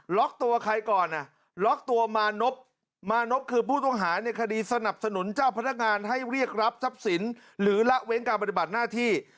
ล็อกตัวใครก่อนอ่ะล็อกตัวมานพมานพคือผู้ต้องหาในคดีสนับสนุนเจ้าพนักงานให้เรียกรับทรัพย์สินหรือละเว้นการปฏิบัติหน้าที่